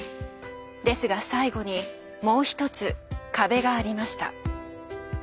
ですが最後にもう一つ「壁」がありました。